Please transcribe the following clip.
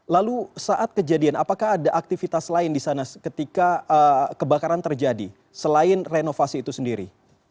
lalu saat kejadian apakah ada aktivitas lain di sana ketika kebakaran terjadi selain renovasi itu sendiri